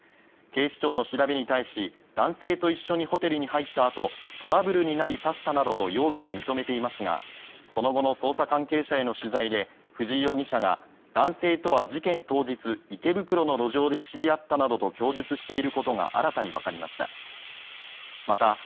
警視庁の調べに対し、男性と一緒にホテルに入った後、トラブルになり、刺したなどと容疑を認めていますが、その後の捜査関係者への取材で藤井容疑者が男性とは事件当日、池袋の路上で知り合ったなどと供述していることが新たにわかりました。